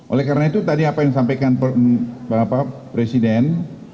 oleh karena itu yang tadi apa yang disampaikan presiden